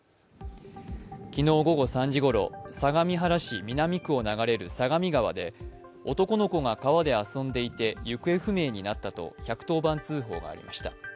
昨日午後３時ごろ、相模原市南区を流れる相模川で男の子が川で遊んでいて行方不明になったと１１０番通報がありました。